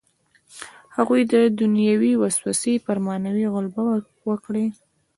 د هغوی دنیوي وسوسې پر معنوي غلبه وکړي.